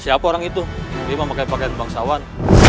siapa orang itu dia memakai pakaian bangsawan